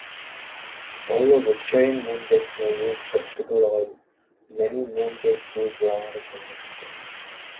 Although vegetarian mooncakes may use vegetable oil, many mooncakes use lard in their recipes.